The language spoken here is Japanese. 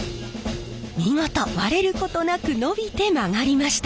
見事割れることなく伸びて曲がりました。